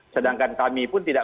sedangkan kami pun tidak